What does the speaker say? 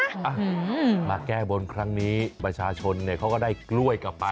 อืมมาแก้บนครั้งนี้ประชาชนเนี่ยเขาก็ได้กล้วยกลับไป